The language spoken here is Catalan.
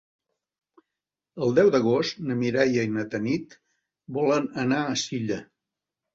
El deu d'agost na Mireia i na Tanit volen anar a Silla.